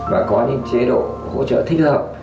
và có những chế độ hỗ trợ thích hợp